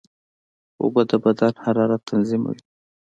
اوبه د بدن حرارت تنظیموي.